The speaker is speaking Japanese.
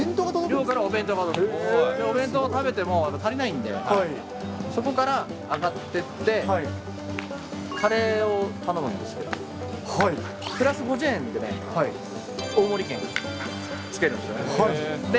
お弁当食べても足りないので、そこから上がってって、カレーを頼むんですけど、プラス５０円でね、大盛り券が付けるんですよね。